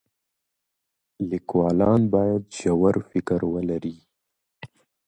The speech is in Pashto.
لیکوالان باید ژور فکر ولري.